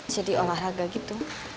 jadi olahraga gitu